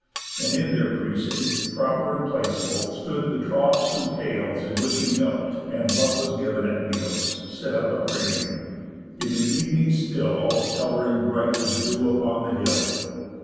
And in their precinct, Proper and placeful, stood the troughs and pails, In which he milk'd; and what was giv'n at meals, Set up a creaming; in the ev'ning still All scouring bright as dew upon the hill.